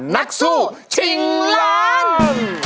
นักสู้ชิงล้าน